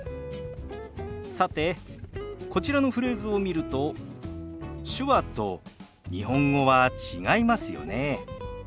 さてこちらのフレーズを見ると手話と日本語は違いますよね。